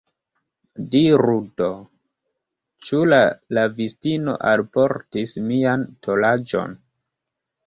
Diru do, ĉu la lavistino alportis mian tolaĵon?